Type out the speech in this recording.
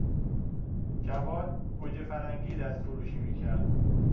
جواد گوجه فرنگی دستفروشی میکرد.